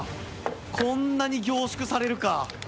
こんなに凝縮されるか。